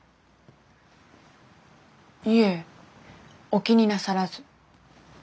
いえお気になさらず。